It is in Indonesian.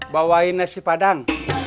bawain nasi padang